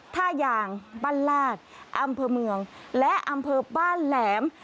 ท่ายางบ้านลาดอำเภอเมืองและอำเภอบ้านแหลม